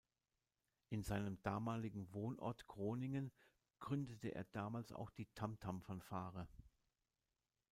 In seinem damaligen Wohnort Groningen gründete er damals auch die „Tam Tam Fanfare“.